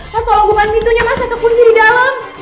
mas tolong bukain pintunya mas saya kekunci di dalam